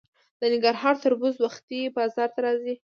د ننګرهار تربوز وختي بازار ته راځي.